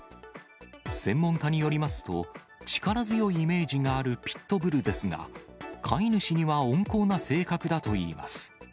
専門家によりますと、力強いイメージがあるピット・ブルですが、飼い主には温厚な性格だといいます。